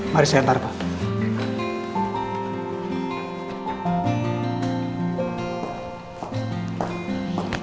mari saya taruh pak